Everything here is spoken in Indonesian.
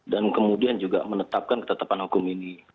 dan kemudian juga menetapkan ketetapan hukum ini